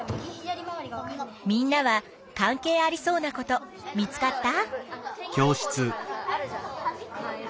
みんなは関係ありそうなこと見つかった？